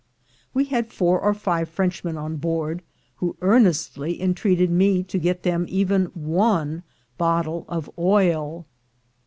We had four or five Frenchmen on board, who earnestly entreated me to get them even one bottle of oil.